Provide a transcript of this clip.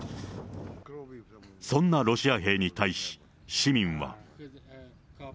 そんなロシア兵に対し、市民は。